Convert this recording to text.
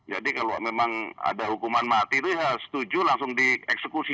jadi kalau memang ada hukuman maat itu ya setuju langsung dieksekusi